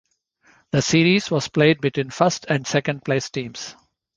The series was played between first and second place teams.